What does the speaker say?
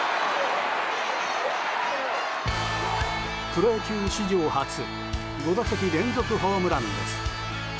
プロ野球史上初５打席連続ホームランです。